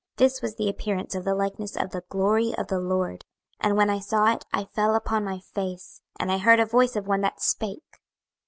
This was the appearance of the likeness of the glory of the LORD. And when I saw it, I fell upon my face, and I heard a voice of one that spake.